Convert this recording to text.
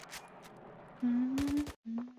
藤卷忠俊为日本的男性漫画家。